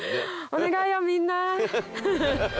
お願いよみんな！